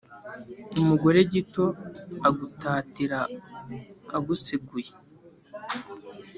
Umugore gito agutatira aguseguye.